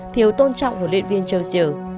thiếu tôn trọng của huấn luyện viên châu siêu